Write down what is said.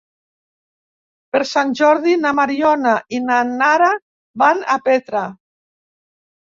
Per Sant Jordi na Mariona i na Nara van a Petra.